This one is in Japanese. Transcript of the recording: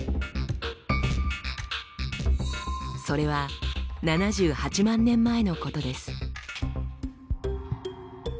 それは７８万年前のことです。